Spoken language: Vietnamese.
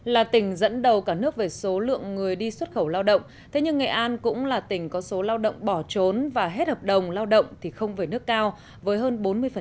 là tỉnh dẫn đầu cả nước về số lượng người đi xuất khẩu lao động thế nhưng nghệ an cũng là tỉnh có số lao động bỏ trốn và hết hợp đồng lao động thì không về nước cao với hơn bốn mươi